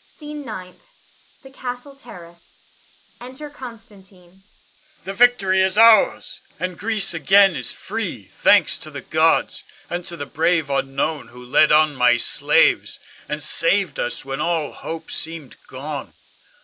SCENE NINTH. [The castle terrace. Enter Constantine.] Con. The victory is ours, and Greece again is free, thanks to the gods, and to the brave unknown who led on my slaves, and saved us when all hope seemed gone.